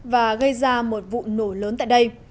và gây ra một vụ nổ lớn tại đây